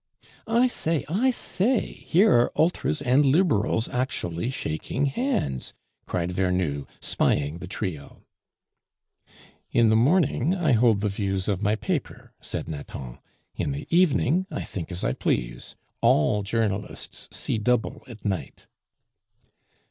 "I say! I say! here are Ultras and Liberals actually shaking hands!" cried Vernou, spying the trio. "In the morning I hold the views of my paper," said Nathan, "in the evening I think as I please; all journalists see double at night."